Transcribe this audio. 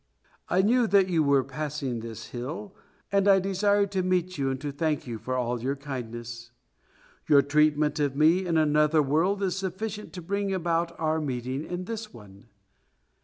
I knew that you were passing this hill, and I desired to meet you and to thank you for all your kindness. Your treatment of me in another world is sufficient to bring about our meeting in this one."